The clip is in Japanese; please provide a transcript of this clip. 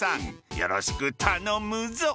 よろしく頼むぞ！